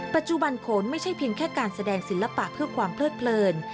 ปัจจุบันโขนไม่ใช่เพียงแค่การแสดงศิลปะเพื่อความเพลิดเพลิน